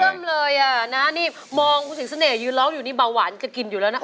เริ่มเลยอ่ะนะนี่มองคุณสิงเสน่หยืนร้องอยู่นี่เบาหวานจะกินอยู่แล้วนะ